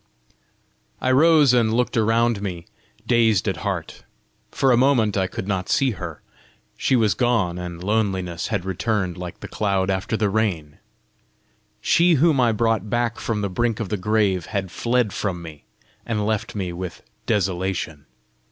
I rose, and looked around me, dazed at heart. For a moment I could not see her: she was gone, and loneliness had returned like the cloud after the rain! She whom I brought back from the brink of the grave, had fled from me, and left me with desolation!